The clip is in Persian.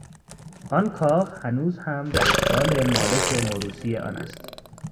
آن کاخ هنوز هم در اشغال مالک موروثی آن است.